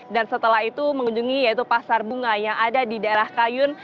dan setelah itu mengunjungi yaitu pasar bunga yang ada di daerah kayun